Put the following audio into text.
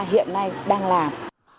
hiện nay đang làm